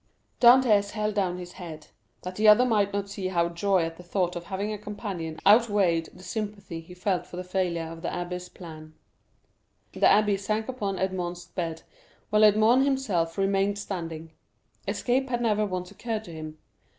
Dantès held down his head, that the other might not see how joy at the thought of having a companion outweighed the sympathy he felt for the failure of the abbé's plans. The abbé sank upon Edmond's bed, while Edmond himself remained standing. Escape had never once occurred to him.